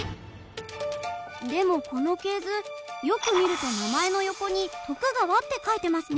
でもこの系図よく見ると名前の横に「川」って書いてますね。